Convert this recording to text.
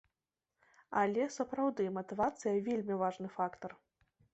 Але, сапраўды, матывацыя, вельмі важны фактар.